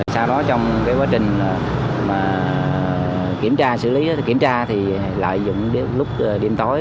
sau đó trong quá trình kiểm tra thì lại dùng lúc đêm tối